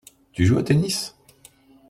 Tu joues au tennis?